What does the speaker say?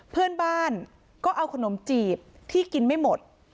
เพื่อนบ้านก็เอาขนมจีบที่กินไม่หมด